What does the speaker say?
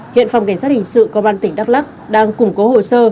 hiện phòng cảnh sát hình sự công an tỉnh đắk lắc đang củng cố hồ sơ